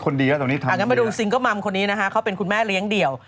ก็เรื่องซิงเกอร์มัมคนนี้นะคะเค้าเป็นคุณแม่เลี้ยงเดี่ยว